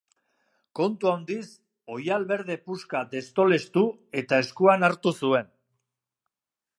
Kontu handiz, oihal berde puska destolestu, eta eskutan hartu zuen.